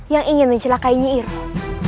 yang ingin mencelakai nyi iroh